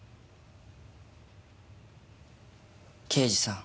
刑事さん。